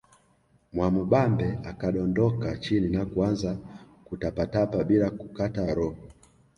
Mwamubambe akadondoka chini na kuanza kutapatapa bila kukata roho